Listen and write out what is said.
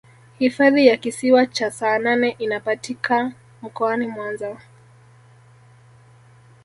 hifadhi ya kisiwa cha saanane inapatika mkoani mwanza